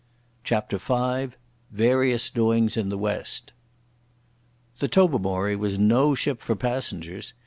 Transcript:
CHAPTER V Various Doings in the West The Tobermory was no ship for passengers.